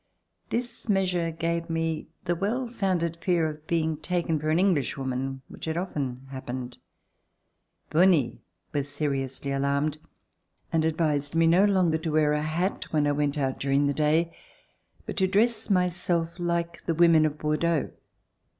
This measure gave me the well founded fear of being taken for an Englishwoman, which had often happened. Bonie was seriously alarmed and advised me no longer to wear a hat when I went out during the day but to dress myself like the women of Bordeaux.